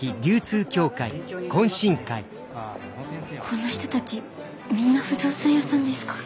この人たちみんな不動産屋さんですか？